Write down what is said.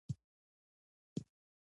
که پور اخلئ نو د اړتیا لپاره یې واخلئ.